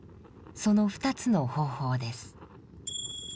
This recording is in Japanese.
その２つの方法です。